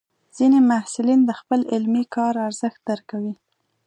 ځینې محصلین د خپل علمي کار ارزښت درکوي.